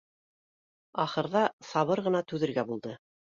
Ахырҙа сабыр ғына түҙергә булды